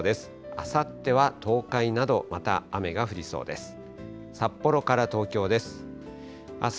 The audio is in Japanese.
あさっては東海など、また雨が降りそうです。